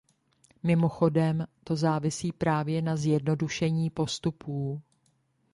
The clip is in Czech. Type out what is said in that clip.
Mimochodem, to závisí právě na zjednodušení postupů.